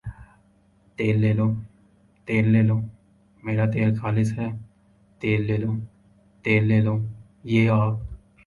تیل لے لو ، تیل لے لو میرا تیل خالص ھے تیل لے لو تیل لے لو یہ آ